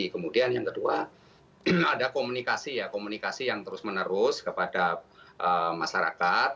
kemudian yang kedua ada komunikasi ya komunikasi yang terus menerus kepada masyarakat